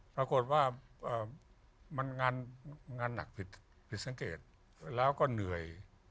ปรากฏว่ามันงานหนักผิดสังเกตแล้วก็เหนื่อย